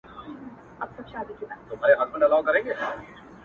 o دا عمه سوه، دا خاله سوه، هلک د جره گۍ مړ سو!